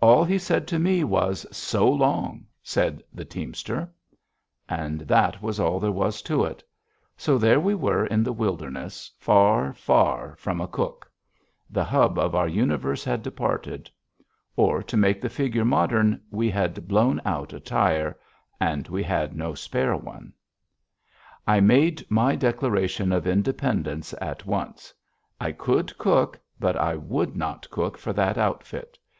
"All he said to me was, 'So long,'" said the teamster. And that was all there was to it. So there we were in the wilderness, far, far from a cook. The hub of our universe had departed. Or, to make the figure modern, we had blown out a tire. And we had no spare one. I made my declaration of independence at once. I could cook; but I would not cook for that outfit.